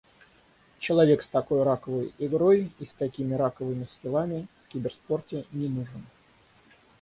Человек с такой раковой игрой и с такими раковыми скиллами в киберспорте не нужен.